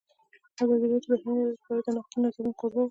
ازادي راډیو د بهرنۍ اړیکې په اړه د نقدي نظرونو کوربه وه.